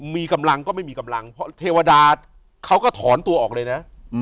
มีกำลังก็ไม่มีกำลังเพราะเทวดาเขาก็ถอนตัวออกเลยนะ